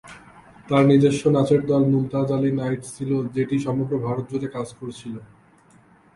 তার নিজস্ব নাচের দল "মুমতাজ আলী নাইটস" ছিল, যেটি সমগ্র ভারত জুড়ে কাজ করেছিল।